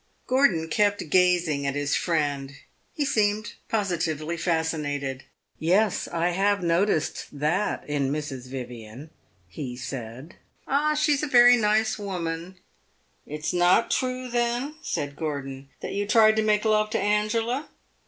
Gordon kept gazing at his friend; he seemed positively fascinated. "Yes, I have noticed that in Mrs. Vivian," he said. "Ah, she 's a very nice woman!" "It 's not true, then," said Gordon, "that you tried to make love to Angela?"